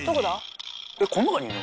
えっこの中にいるの？